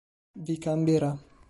Vi cambierà”.